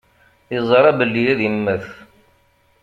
Yeẓra belli ad immet.